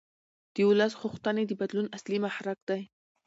د ولس غوښتنې د بدلون اصلي محرک دي